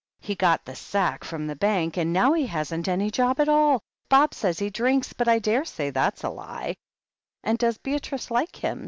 He got the sack from the Bank, and now he hasn't any job at all. Bob says he drinks, but I daresay that's a lie." "And does Beatrice like him?"